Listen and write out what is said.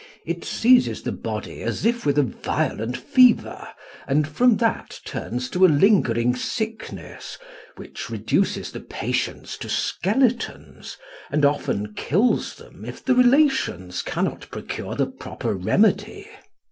It seizes the body as if with a violent fever, and from that turns to a lingering sickness, which reduces the patients to skeletons, and often kills them if the relations cannot procure the proper remedy.